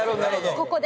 ここで。